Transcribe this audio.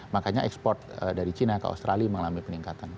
makanya ekspor dari china ke australia mengalami peningkatan